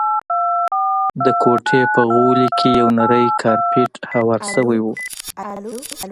د کوټې په غولي کي یو نری کارپېټ هوار شوی وو.